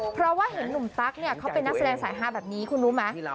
เพราะว่าเห็นหนุ่มตั๊กเนี่ยเขาเป็นนักแสดงสายฮาแบบนี้คุณรู้ไหม